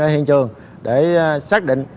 hình trường để xác định